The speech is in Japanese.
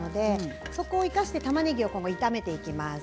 それを生かしてたまねぎを炒めていきます。